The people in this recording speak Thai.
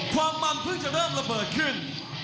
ความมันเพิ่งจะเริ่มระเบิดขึ้น